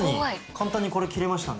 簡単にこれ切れましたね。